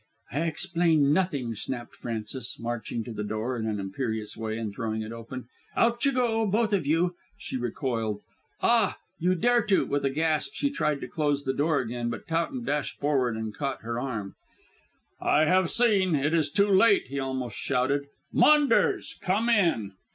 "I explain nothing," snapped Frances, marching to the door in an imperious way and throwing it open. "Out you go, both of you," She recoiled. "Ah! you dare to!" with a gasp she tried to close the door again, but Towton dashed forward and caught her arm. "I have seen; it is too late," he almost shouted. "Maunders. Come in!"